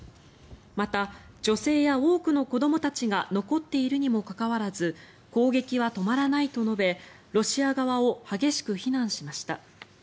また、女性や多くの子どもたちが残っているにもかかわらず攻撃は止まらないと述べロシア側を激しく非難しました。